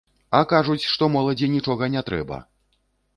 А кажуць, што моладзі нічога не трэба!